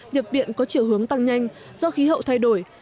nhập viện có chiều hướng tăng nhanh do khí hậu thay đổi